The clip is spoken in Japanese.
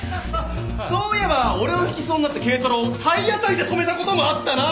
そういえば俺をひきそうになった軽トラを体当たりで止めたこともあったな！